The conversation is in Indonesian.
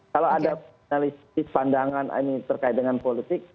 kalau ada analisis pandangan terkait dengan politik